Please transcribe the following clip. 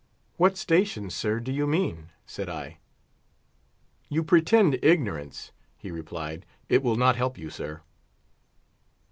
"What station, sir, do you mean?" said I. "You pretend ignorance," he replied; "it will not help you, sir."